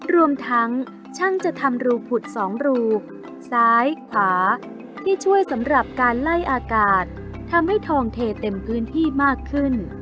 รวมทั้งช่างจะทำรูผุด๒รูซ้ายขวาที่ช่วยสำหรับการไล่อากาศทำให้ทองเทเต็มพื้นที่มากขึ้น